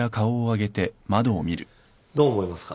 どう思いますか？